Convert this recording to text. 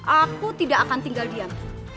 aku tidak akan tinggal diam